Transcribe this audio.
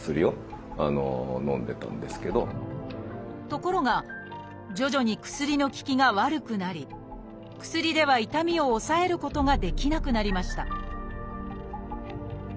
ところが徐々に薬の効きが悪くなり薬では痛みを抑えることができなくなりました